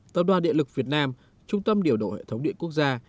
tập đoàn điện lực việt nam trung tâm điều độ hệ thống điện quốc gia